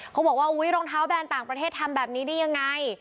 เขาบอกว่าอุ๊ยรองเท้าแบนต่างประเทศทำแบบนี้ได้ยังไง